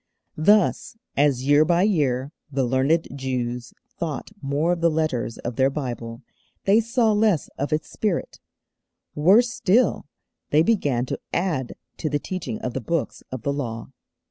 Thus, as year by year the learned Jews thought more of the letters of their Bible, they saw less of its spirit; worse still, they began to add to the teaching of the Books of the Law.